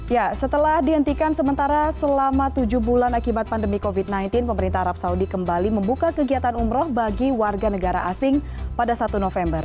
ya setelah dihentikan sementara selama tujuh bulan akibat pandemi covid sembilan belas pemerintah arab saudi kembali membuka kegiatan umroh bagi warga negara asing pada satu november